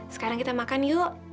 sekarang kita makan yuk